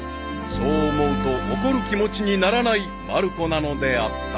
［そう思うと怒る気持ちにならないまる子なのであった］